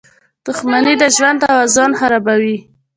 • دښمني د ژوند توازن خرابوي.